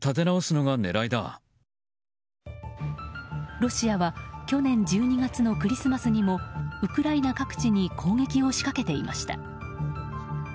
ロシアは去年１２月のクリスマスにもウクライナ各地に攻撃を仕掛けていました。